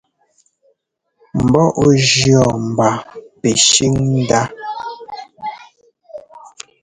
Mbɔ ɔ jʉ̈ mba pɛshʉ́n ndá.